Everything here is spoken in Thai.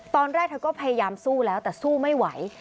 ตอนแรกเธอก็พยายามสู้แล้วแต่สู้ไม่ไหว